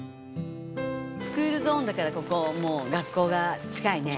スクールゾーンだからここもう学校が近いね。